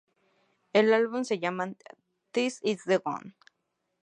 El álbum se llamará This is the One.